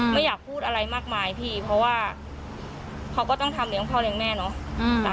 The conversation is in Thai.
ไม่อยากพูดอะไรมากมายพี่เพราะว่าเขาก็ต้องทำเลี้ยงพ่อเลี้ยงแม่เนาะ